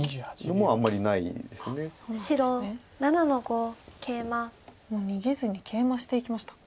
もう逃げずにケイマしていきました。